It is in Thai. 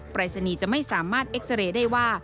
ปรายศนีย์จะไม่สามารถเอ็กซาเรย์ได้ว่า